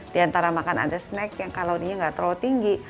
diantara makan ada snack yang kalau ini nggak terlalu tinggi